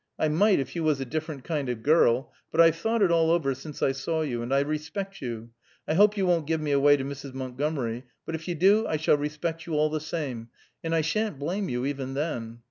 I might, if you was a different kind of girl; but I've thought it all over since I saw you, and I respect you. I hope you won't give me away to Mrs. Montgomery, but if you do, I shall respect you all the same, and I sha'n't blame you, even then."